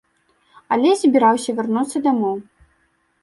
Алесь збіраўся вярнуцца дамоў.